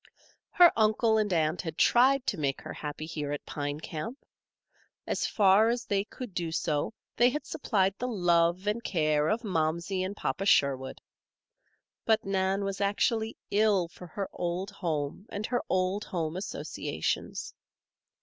Her uncle and aunt had tried to make her happy here at Pine Camp. As far as they could do so they had supplied the love and care of Momsey and Papa Sherwood. But Nan was actually ill for her old home and her old home associations.